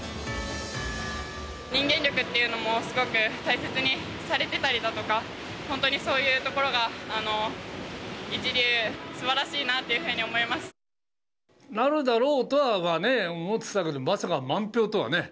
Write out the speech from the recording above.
人間力というのもすごく大切にされてたりだとか、本当にそういうところが一流、すばらしいななるだろうとはね、思ってたけど、まさか満票とはね。